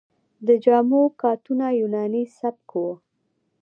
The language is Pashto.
د جامو کاتونه یوناني سبک و